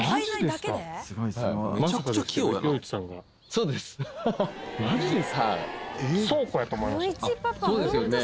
そうですよね。